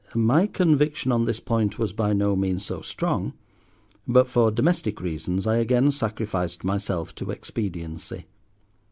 My conviction on this point was by no means so strong, but for domestic reasons I again sacrificed myself to expediency.